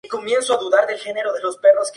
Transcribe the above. La película fue un fracaso de taquilla.